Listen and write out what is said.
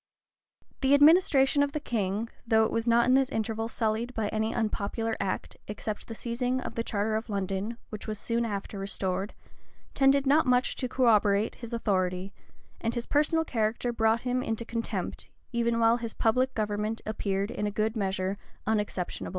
The administration of the king, though it was not in this interval sullied by any unpopular act, except the seizing of the charter of London,[] which was soon after restored, tended not much to corroborate his authority; and his personal character brought him into contempt, even while his public government appeared in a good measure unexceptionable.